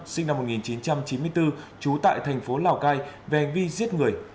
sinh năm một nghìn chín trăm chín mươi bốn trú tại thành phố lào cai về vi giết người